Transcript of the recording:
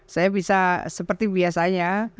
saya bisa seperti biasanya